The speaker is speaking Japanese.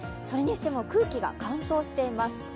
それにしても空気が乾燥しています。